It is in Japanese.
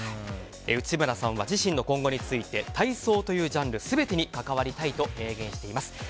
内村さんは自身の今後について体操というジャンル全てに関わりたいと明言しています。